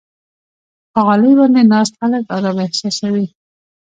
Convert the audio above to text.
په غالۍ باندې ناست خلک آرام احساسوي.